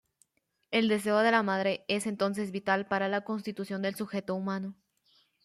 El deseo de la madre es entonces vital para la constitución del sujeto humano.